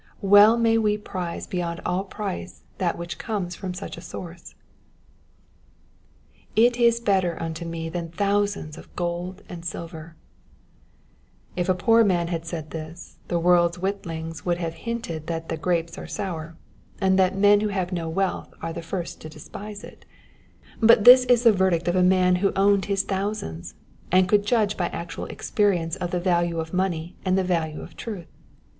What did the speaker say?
Well may we prize beyond all price that which comes from such a source. /« better unto me than thousands of gold and silver,''^ If a poor man had said this, the world's witlings would have hinted that the grapes are sour, and that men who have no wealth are the first to despise it ; but this is the verdict of a man who owned his thousands, and could judge by actual expe rience of the value of money and the value of truth.